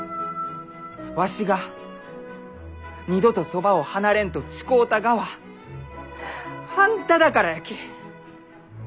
わしが二度とそばを離れんと誓うたがはあんただからやき。